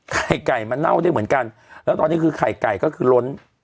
ไก่มันเน่าได้เหมือนกันแล้วตอนนี้คือไข่ไก่ก็คือล้น